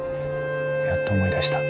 やっと思い出した。